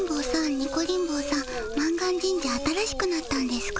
ニコリン坊さん満願神社新しくなったんですか？